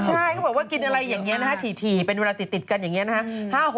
ใช่เขาบอกว่ากินอะไรอย่างนี้นะฮะถี่เป็นเวลาติดกันอย่างนี้นะฮะ